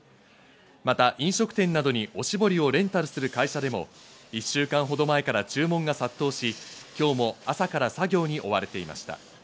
また飲食店などに、おしぼりをレンタルする会社でも１週間ほど前から注文が殺到し、今日も朝から作業に追われていました。